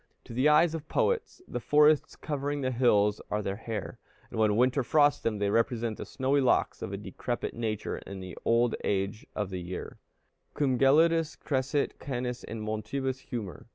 To the eyes of poets, the forests covering the hills are their hair, and when winter frosts them, they represent the snowy locks of a decrepit nature in the old age of the year: "Cum gelidus crescit canis in montibus humor."